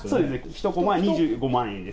１コマ２５万円です。